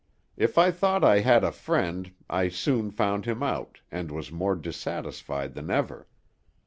If I thought I had a friend, I soon found him out, and was more dissatisfied than ever.